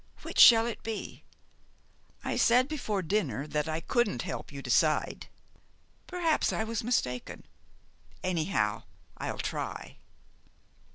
Which shall it be? I said before dinner that I couldn't help you to decide. Perhaps I was mistaken. Anyhow, I'll try."